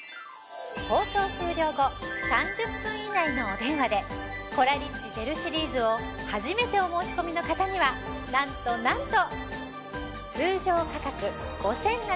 放送終了後３０分以内のお電話でコラリッチジェルシリーズを初めてお申し込みの方にはなんとなんと。